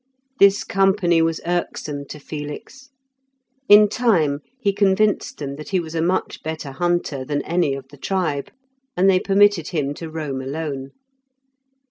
This company was irksome to Felix. In time he convinced them that he was a much better hunter than any of the tribe, and they permitted him to roam alone.